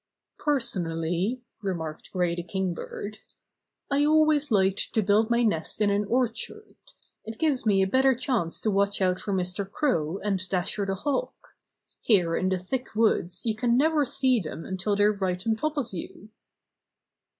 "Personally," remarked Gray the Kingbird, "I always like to build my nest in an orchard. It gives me a better chance to watch out for Mr. Crow and Dasher the Hawk. Here in the thick woods you can never see them until they're right on top of you."